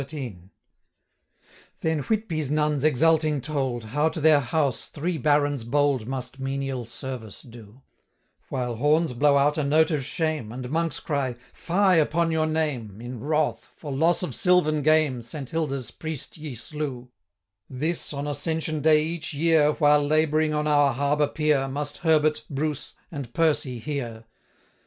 Then Whitby's nuns exulting told, How to their house three Barons bold Must menial service do; While horns blow out a note of shame, 235 And monks cry 'Fye upon your name! In wrath, for loss of silvan game, Saint Hilda's priest ye slew.' 'This, on Ascension day, each year, While labouring on our harbour pier, 240 Must Herbert, Bruce, and Percy hear.'